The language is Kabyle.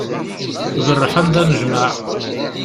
Berrḥen-d anejmaε.